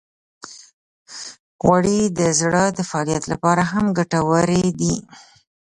غوړې د زړه د فعالیت لپاره هم ګټورې دي.